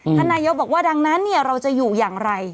ท่านนายกบอกว่าดังนั้นเราจะอยู่อย่างไร